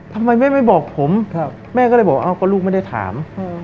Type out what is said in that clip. ทำไมแม่ไม่บอกผมแม่ก็เลยบอกเอ้าก็ลูกไม่ได้ถาม